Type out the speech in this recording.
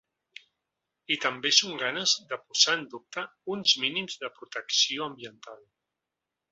I també són ganes de posar en dubte uns mínims de protecció ambiental.